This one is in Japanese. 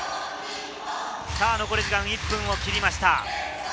残り時間１分を切りました。